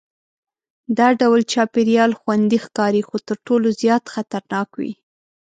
دا ډول چاپېریال خوندي ښکاري خو تر ټولو زیات خطرناک وي.